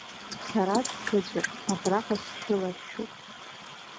Сараӡәзаҵәык абраҟа сшәыларшәуп.